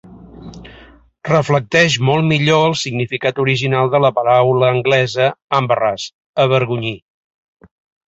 Reflecteix molt millor el significat original de la paraula anglesa "embarrass" (avergonyir).